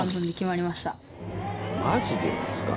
「マジですか？」